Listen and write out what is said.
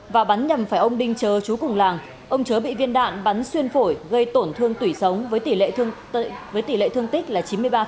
và bắn nhầm phải ông đinh chớ chú cùng làng ông chớ bị viên đạn bắn xuyên phổi gây tổn thương tủy sống với tỷ lệ thương tích là chín mươi ba